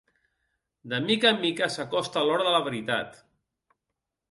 De mica en mica s'acosta l'hora de la veritat.